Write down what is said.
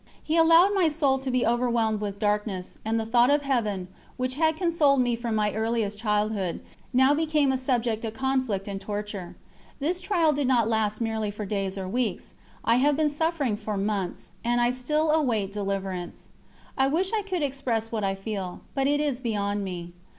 He allowed my soul to be overwhelmed with darkness, and the thought of Heaven, which had consoled me from my earliest childhood, now became a subject of conflict and torture. This trial did not last merely for days or weeks; I have been suffering for months, and I still await deliverance. I wish I could express what I feel, but it is beyond me.